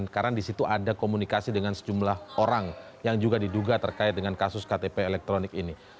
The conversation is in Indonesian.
karena disitu ada komunikasi dengan sejumlah orang yang juga diduga terkait dengan kasus ktp elektronik ini